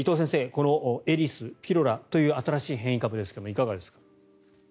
このエリス、ピロラという新しい変異株ですがいかがですか？